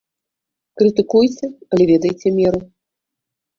Крытыкуйце, але ведайце меру!